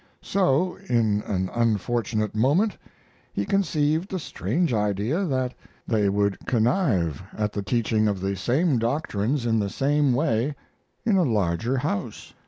So, in an unfortunate moment, he conceived the strange idea that they would connive at the teaching of the same doctrines in the same way in a larger house.